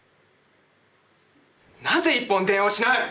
なぜ一本電話をしない！